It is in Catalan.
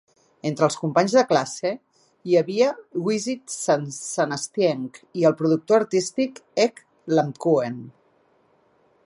Entre els companys de classe hi havia Wisit Sasanatieng i el productor artístic Ek Iemchuen.